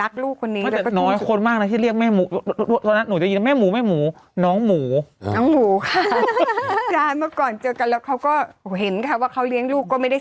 คุณแม่เขานะแม่หมูเขาพุ่งสุดสุดแม่หมูหมูเนี้ยรักลูกคนนี้